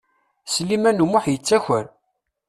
Sliman U Muḥ yettaker.